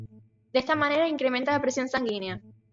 De esta manera incrementa la presión sanguínea.